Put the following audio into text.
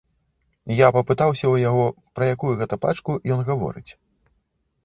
Я папытаўся ў яго, пра якую гэта пачку ён гаворыць.